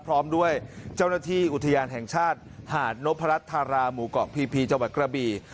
พร้อมด้วยเจ้าหน้าที่อุทยานแห่งชาติหาดนพรัชธาราหมู่เกาะพีจังหวัดกระบี